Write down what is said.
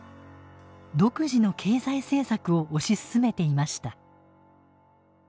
独自の経済政策を推し進めていました。